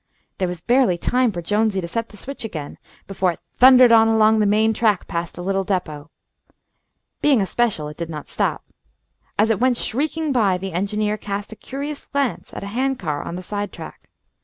There was barely time for Jonesy to set the switch again before it thundered on along the main track past the little depot. Being a special, it did not stop. As it went shrieking by, the engineer cast a curious glance at a hand car on the side track.